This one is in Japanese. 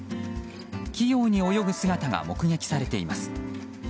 器用に泳ぐ姿が目撃されています。